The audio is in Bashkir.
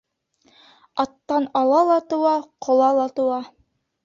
Аттан ала ла тыуа, ҡола ла тыуа.